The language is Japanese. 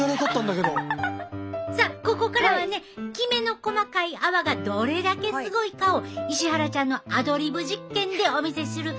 さあここからはねきめの細かい泡がどれだけすごいかを石原ちゃんのアドリブ実験でお見せする